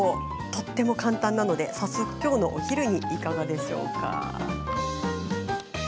とっても簡単なのできょうのお昼にいかがでしょうか？